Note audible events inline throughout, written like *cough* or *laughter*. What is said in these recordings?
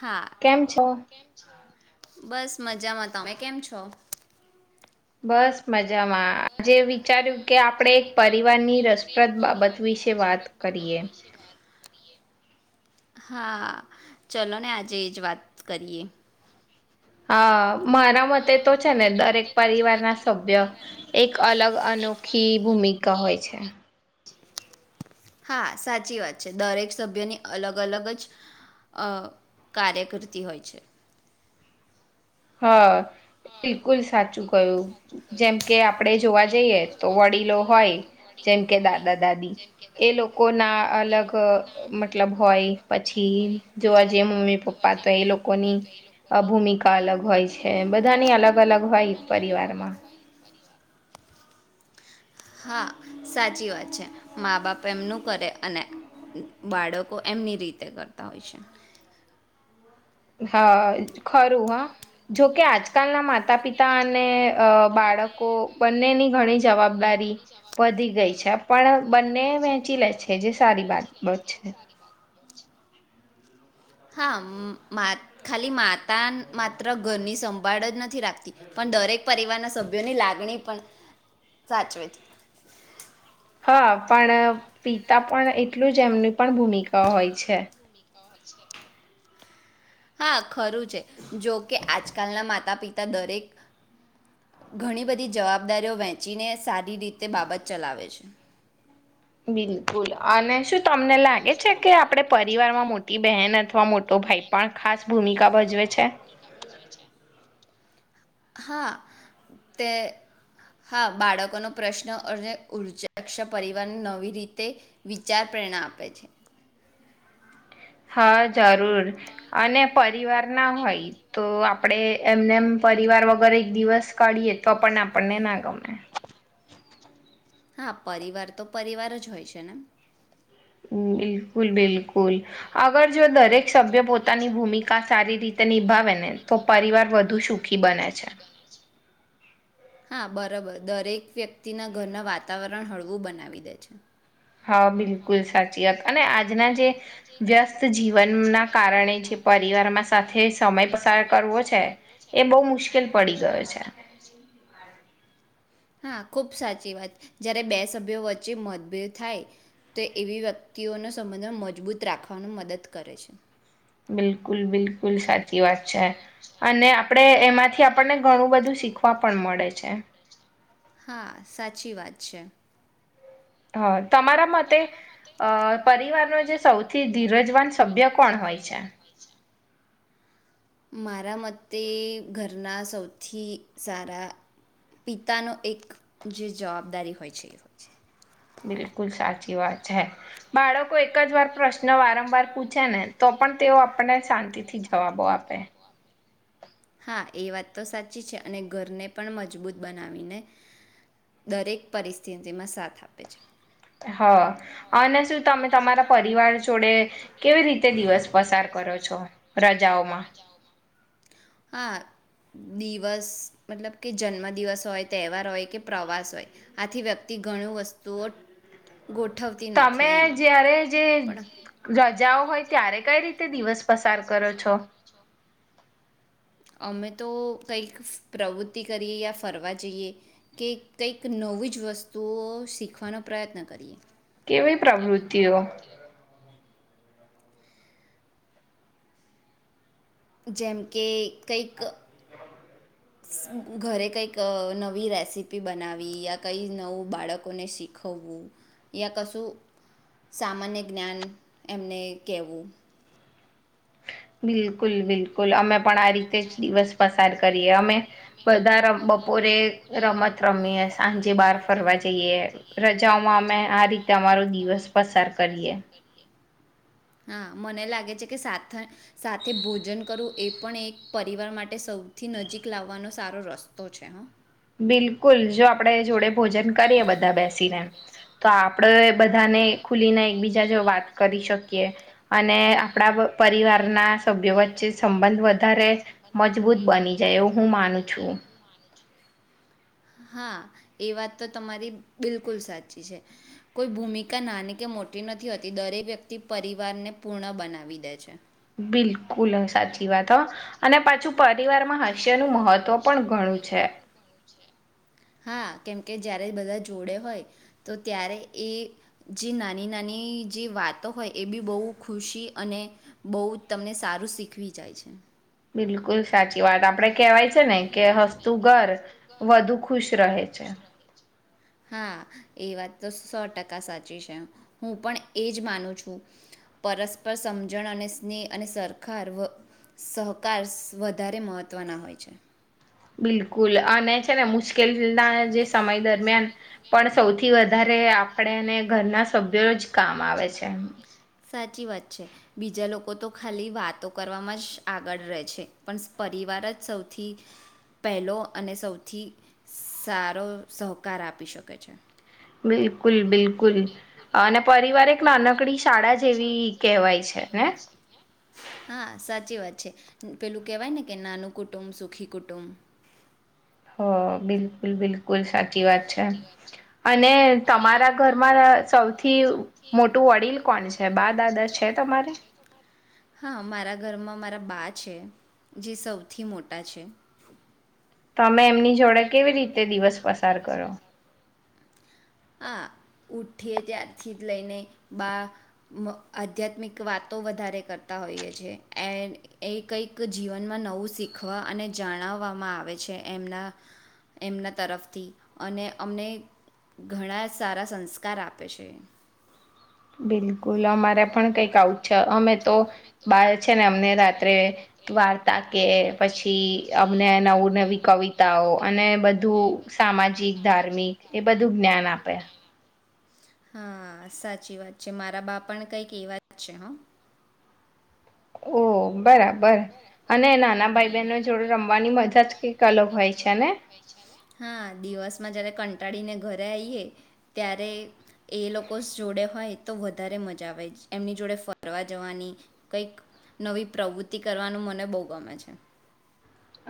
હા કેમ છો બસ મજામાં તમે કેમ છો બસ મજામાં જે વિચાર્યું કે આપણે એક પરિવારની રસપ્રદ બાબત વિશે વાત કરીએ હા ચલો ને આજે એ જ વાત કરીએ હા મારા મત તે તો છે ને દરેક પરિવાર ના સભ્ય એક અલગ અનોખી ભૂમિકા હોય છે હા સાચી વાત છે દરેક સભ્યની અલગ અલગ જ કાર્ય કરતિ હોય છે હા બિલકુલ સાચું કયું જેમ કે આપડે જોવા જઈએ તો વડીલો હોય જેમ કે દાદા દાદી એ લોકો ના અલગ મતલબ હોય પછી જોવા જઈએ મમ્મી પપ્પા તો એ લોકોની ભૂમિકા અલગ હોય છે બધાની અલગ અલગ હોય પરિવારમાં સાચી વાત છે મા બાપ એમનું કરે અને બાળકો એમની રીતે કરતા હોય છે હ ખરું હ જોકે આજકાલના માતા પિતા અને બાળકો બંનેની ઘણી જવાબદારી વધી ગઈ છે પણ બંને વહેંચી લે છે જે સારી બાત બાબત છે હા માં ખાલી માતા માત્ર ઘરની સંભાળ જ નથી રાખતી પણ દરેક પરિવારના સભ્યોની લાગણી પણ સાચવે છે હા પણ પિતા પણ એટલું જ એમની પણ ભૂમિકા હોય છે હા ખરું છે જોકે આજકાલના માતા પિતા દરેક ઘણી બધી જવાબદારીઓ વેંચીને સારી રીતે બાબત ચલાવે છે બિલકુલ અને શું તમને લાગે છે કે આપડ પરિવારમાં મોટી બહેન અથવા મોટો ભાઈ પણ ખાસ ભૂમિકા ભજવે છે હા તે હા બાળકોનો પ્રશ્ન અને ઉર્જાક્ષ પરિવારને નવી રીતે વિચાર પ્રેરણા આપે છે હા જરૂર અને પરિવાર ના હોય તો આપ આપણે એમને એમ પરિવાર વગર એક દિવસ કાઢીએ તો પણ આપણને ના ગમે હા પરિવાર તો પરિવાર જ હોય છે ને હ બિલકુલ બિલકુલ ૂલ અગર જો દરેક સભ્ય પોતાની ભૂમિકા સારી રીતે નિભાવે ને તો પરિવાર વધુ સુખી બને છે હા બરાબર દરેક વ્યક્તિના ઘરનું વાતાવરણ હળવું બનાવી દે છે હા બિલકુલ કુલ સાચત અને આજના જે જ્યાસ્ જીવન ના કારણે જે પરિવારમાં સાથે સમય પસાર કરવો છે, એ બહ મુશ્કેલ પડી ગય છે. *unintelligible* હા ખૂબ સાચી વાત, જ્યારે બે સભ્યો વચ્ચે મતભેદ થાય, તો એવી વ્યક્તિઓનો સંબંધ મજબૂત રાખવાનું મદદ કર કરે છે. બિલકુલ બિલકુલ સાચી વાત છે, અને આપણે એમાંથી આપણને ઘણું બધું શીખવા પણ મળે છે. હા સાચી વાત છે. હ તમારા મતે, અ પરિવારનો જે સૌથી ધીરજવાન સભ્ય કોણ હોય છે? મારા મતે ઘરના સૌથી સારા પિતાનો એક જે જવાબદારી હોય છે. બિલકુલ સાચી વાત છે, બાળકો એક જ વાર પ્રશ્ન વારંવાર પૂછે ને તો પણ તેઓ આપણને શાંતિથી જવાબો આપે. હા એ વાત તો સાચી છે અને ઘરને પણ મજબૂત બનાવીને, દરેક પરિસ્થિતિમાં સાથ આપે છે. હ અને શું તમે તમારા પરિવાર ચોડે કેવી રીતે દિવસ પસાર કરો છો, ર બાજાવમાં. હા દિવસ મતલબ કે જન્મદિવસ હોય તહેવાર હોય કે પ્રવાસ હોય, આથી વ્યક્તિ ઘણ વસ્તુઓ તમે જય્યારે જે જાઓ હોય ત્યારે કઈ રીતે દિવસ પસાર કરો છો? અમે તો કંઈક પ્રવૃત્તિ કરીએ યા ફરવા જઈએ, કે કંઈક નવી જ વસ્તુઓ શીખવાનો પ્રયત્ન કરીએ. કેવી પ્રવૃતિઓ? જેમ કે કંઈક ઘરે કંઈક નવી રેસીપી બનાવી યા કંઈ નવું બાળકોને શીખવવું, યા કશું સામાન્ય જ્ઞાન એમને કહેવું. બિલકુલ બિલકુલ અમે પણ આ રીતે જ દિવસ પસાર કરીએ અમે, બધા બપોરે રમત રમીએ સાંજે બહાર ફરવા જઈએ રજાઓમાં અમે આ રીતે અમારો દિવસ પસાર કરીએ. હા મને લાગે છે કે સાથે ભોજન કરું એ પણ એક પરિવાર માટે સૌથી નજીક લાવવાનો સારો રસ્તો છે હ. બિલકુલ જો આપડે જોડે ભોજન કરીએ બધા બેસીને. તો આપડે બધ બધા ને ખુલીને એકબીજા જો વાત કરી શકીએ. અને આપણા પરિવારના સભ્યો વચ્ચે સંબંધ વધારે, મજબૂત બની જાય એવું હું માનું છું. હા, એ વાત તો તમારી બિલકુલ સાચી છે, કોઈ ભૂમિકા નાની કે મોટી નથી હોતી દરેક વ્યક્તિ પરિવારને પૂર્ણ બનાવી દે છે. બિલ કુલ સાચી વાત હો, અને પાછું પરિવારમાં હાસ્યનું મહત્વ પણ ઘણું છે. હા કેમકે જ્યારે બધા જોડે હોય, તો ત્યારે એ જે નાની નાની જે વાતો હોય એ બી બહુ ખુશી અને, બહુ તમને સારું શીખવી જાય છે. બિલકુલ સાચી વાત આપડે કેવાય છે ને કે હસ્તુ ઘર, વધુ છે. હા, એ વાત તો સો ટકા સાચી છે, હું પણ એજ માનું છું, પરસ્પર સમજણ અને સ્નેહ અને સરકાર સહકાર વધારે મહત્વના હોય છે. બિલ કૂલ અને છે ને મુશ્કેલના જે સમય દરમિયાન પણ સૌથી વધારે આપણેને ઘરના સભ્યો જ કામ આવે છે એમ સાચી વાત છે બીજા લોકો તો ખાલી વાતો કરવામાં જ આગળ રહે છે પણ પરિવાર જ સૌથી પહેલો અને સૌથી સારો સહકાર આપી શકે છે મે બિલકુલ બિલકુલ અને પરિવારે એક નાનકડી શાળા જેવી કહેવાય છે ને પેલું કેવાય ને કે નાનું કુટુંબ સુખી કુટુંબ હ બિલકુલ બિલકુલ સાચી વાત છે અને તમારા ઘરમાં સૌથી મોટું વડીલ કોણ છે બા દાદા છે તમારે હા મારા ઘરમાં મારા બા છે જે સૌથી મોટા છે તમે એમની જોડે કેવી રીતે દિવસ પસાર કરો આા ઉઠીએ ત્યારથી જ લઈને બા આધ્યાત્મિક વાતો વધારે કરતા હોઈએ છ છેએ એ એ કંઈક જીવનમાં નવું શીખવા અને જણાવવામાં આવે છે એમના એમના તરફથી અને અમને ઘણા સારા સંસ્કાર આપે છે બિલકુલ અમારે પણ કઈક આવું છે અમે તો બાર છે ને અમને રાત્રે વાર્તા કે પછી અમને નવું નવી કવિતાઓ અને બધું સામાજિક ધાર્મિક એ બધું જ્ઞાન આપે હા સાચી વાત છે મારા બાપા કંઈક એવાત છે હ ઓ બરાબર અને નાના ભાઈ બહેનો જોડે રમવાની મજા જ કંઈક અલગ હોય છે ને કટાડીને ઘરે આવીઈએ ત્યારે એ લોકો જોડે હોય તો વધારે મજા આવે એમની જોડે ફરવા જવાની કંઈક નવી પ્રવૃત્તિ ખેતી કરવાનું મને બહુ ગમે છે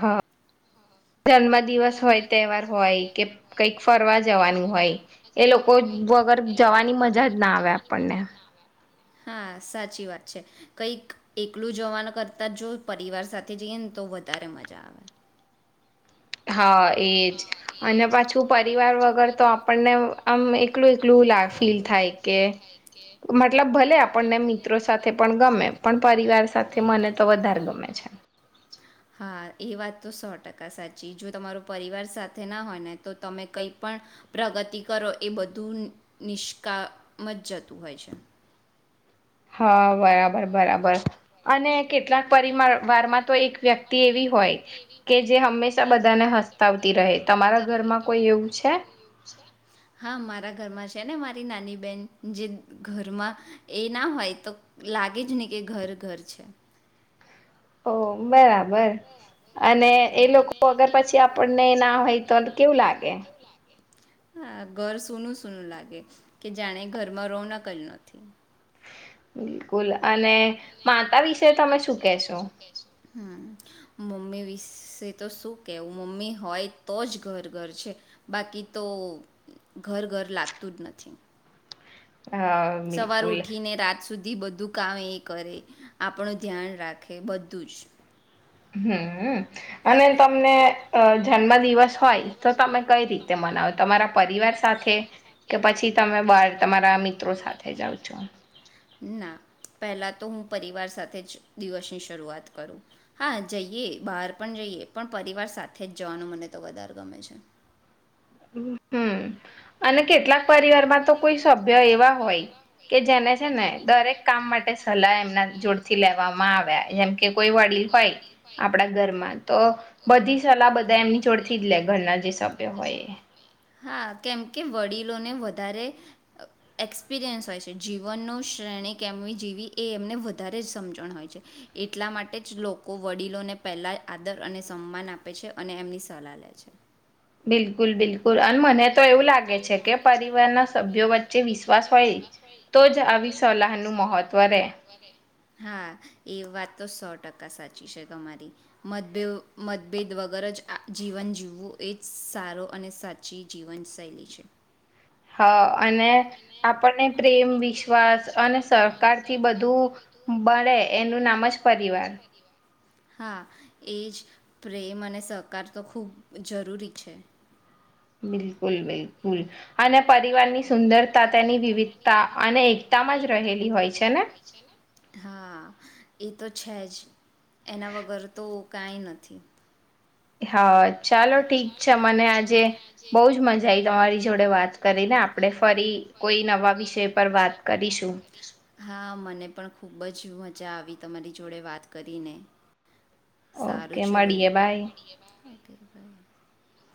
હા જન્મ દિવસ હોય તહેવાર હોય કે કઈક ફરવા જવાનું હોય એ લોકો *inaudible* વગર જવાની મજા જ ના આવે આપણને હા સાચી વાત છે કઈક એકલું જવાનું કરતા જો પરિવાર સાથે જઈએ ને તો વધારે મજા આવે હા એજ અને પાછું પરિવાર વગર તો આપણને આમ એકલું એકલું ફીલ થાય કે મતલબ ભલે આપણને મિત્રો સાથે પણ ગમે પણ પરિવાર સાથે મને તો વધારે ગમે છે હા એ વાત તો સો ટકા સાચી જો તમારો પરિવાર સાથે ના હોય ને તો તમે કઈ પણ પ્રગતિ કરો એ બધું નિષ્કામ જ જતું હોય છે હા બરાબર બરાબર અને કેટલાક પરિર વારમાં તો એક વ્યક્તિ એવી હોય કે જે હંમેશા બધાને હસતાવતી રહે તમારા ઘરમાં કોઈ એવું છે હા મારા ઘરમાં છે ને મારી નાની બેહેન જે ઘરમાં એ ના હોય તો લાગે જ નહી કે ઘર ઘર છે ઓ બરાબર અને એ લોકો અગર પછી આપણને ના હોય તો કેવું લાગે હા ઘર સૂનું સૂનું લાગે કે જાણે ઘરમાં રોના ક નથી બિલકુલ અને માતા વિશે તમે શું કેશો હમ મમ્મી વિશે તો શું કેવું મમ્મી હોય તો જ ઘર ઘર છે બાકી તો ઘર ઘર લાગતું જ નથી હા બિલકુલ બી બધું કામ એ કરે આપણું ધ્યાન રાખે બધું જ હમ અને તમને અ જન્મ દિવસ હોય તો તમે કઈ રી તે મનાવો તમારા પરિવાર સાથે કે પછી તમે બાર તમારા મિત્રો સાથે જાઓ છો ના પહેલા તો હું પરિવાર સાથે જ દિવસની શરૂઆત કરું હા જઈએ બહાર પણ જઈએ પણ પરિવાર સાથે જ જવાનું મને તો વધારે ગમે છે હમ અને કેટલાક પરિવાર માં તો કોઈ સભ્ય એવા હોય કે જેને છે ને દરેક કામ માટે સલાહ એમના જોડથી લેવા આવ્યા જેમ કે કોઈ વડીલ હોય આપડા ઘરમાં તો બધી સલાહ બધા એમની જોડથી જ લે ઘરના જે સભ્યો હોય એ હા કેમકે વડીલોને વધારે એક્સપિરિયન્સ હોય છે જીવનનું શ્રેણી કેમવી જીવી એ એમને વધારે જ સમજણ હોય છે એટલા માટે જ લોકો વડીલોને પહેલાં આદર અને સન્માન આ આપે છે અને એમની સલાહ લે છે બિલકુલ બિલકુલ અને મને તો એવું લાગે છે કે પરિવારના સભ્યો વચ્ચે વિશ્વાસ હોય તો જ આવી સલાહ ન મહત્વ રે ટકા સાચી છે તમારી મધ્યો મતભેદ વગર જ આ જીવન જીવવું એ જ સારો અને સાચી જીવનશૈલી છે હા અને આપણને પ્રેમ વિશ્વાસ અને સહકાર થી બધું બળે એનું નામ જ પરિવાર હા એ જ પ્રેમ અને સહકાર તો ખૂબ જરૂરી છે બિલકુલ બિલકુલ અને પરિવારની સુંદરતા તેની વિવિધતા અને એકતામાં જ રહેલી હોય છે ને હા એ તો છે જ એના વગર તો કાંઈ નથી હા ચાલો ઠીક છે મને આજે બહુ જ મજા આવી તમારી જોડે વાત કરીને આપણે ફરી કોઈ નવા વિષય પર વાત કરીશું હા મને પણ ખૂબ જ મજા આવી તમારી જોડે વાત કરીને ઓકે મળીએે ભાઈ ફરબ *inaudible*